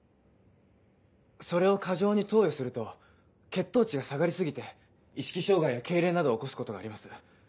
それを過剰に投与すると血糖値が下がり過ぎて意識障害や痙攣などを起こすことがあります。